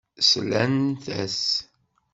Slant-as.